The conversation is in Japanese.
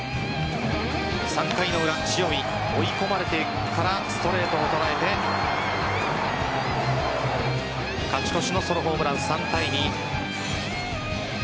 ３回の裏、塩見追い込まれてからストレートを捉えて勝ち越しのソロホームラン３対２。